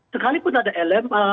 sekalipun ada lma